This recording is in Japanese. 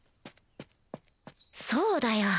そうだよ